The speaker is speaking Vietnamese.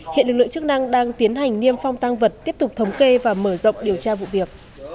hiện lực lượng chức năng đang tiến hành niêm phong tăng vật tiếp tục thống kê và mở rộng điều tra vụ việc